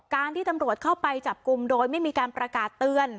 ที่ตำรวจเข้าไปจับกลุ่มโดยไม่มีการประกาศเตือน